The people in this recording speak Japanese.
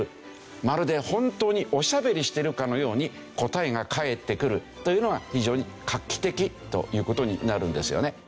まるで本当におしゃべりしているかのように答えが返ってくるというのが非常に画期的という事になるんですよね。